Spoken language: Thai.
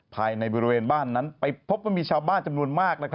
ภายในบริเวณบ้านนั้นไปพบว่ามีชาวบ้านจำนวนมาก